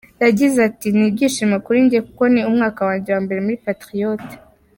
Yagize ati “Ni ibyishimo kuri njye, kuko ni umwaka wanjye wa mbere muri Patriots.